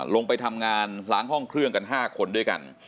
ลงไปทำงานล้างห้องเครื่องกัน๕คนด้วยกัน